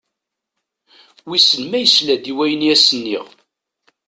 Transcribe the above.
Wissen ma yesla-d i wayen i as-nniɣ?